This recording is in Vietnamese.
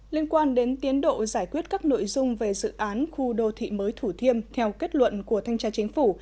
liên quan đến tiến độ giải quyết các nội dung về dự án khu đô thị mới thủ thiêm theo kết luận của thanh tra chính phủ